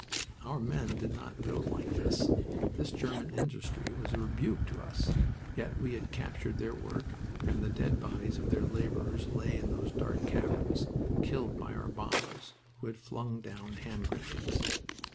Our men did not build like this. This German industry was a rebuke to us, yet we had captured their work and the dead bodies of their laborers lay in those dark caverns, killed by our bombers, who had flung down handgrenades.